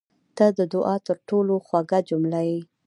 • ته د دعا تر ټولو خوږه جمله یې.